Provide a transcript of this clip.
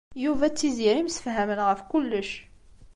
Yuba d Tiziri msefhamen ɣef kullec.